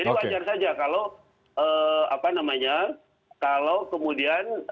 jadi wajar saja kalau kemudian